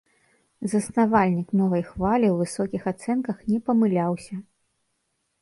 Заснавальнік новай хвалі ў высокіх ацэнках не памыляўся.